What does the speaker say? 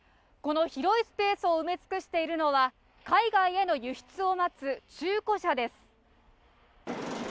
この広いスペースを埋め尽くしているのが海外への輸出を待つ中古車です。